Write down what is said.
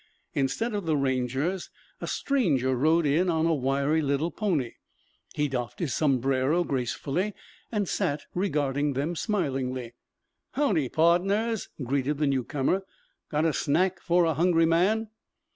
Instead of the Rangers a stranger rode in on a wiry little pony. He doffed his sombrero gracefully and sat regarding them smilingly. "Howdy, pardners," greeted the newcomer. "Got a smack for a hungry man?"